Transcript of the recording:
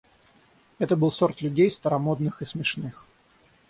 Это был сорт людей старомодных и смешных.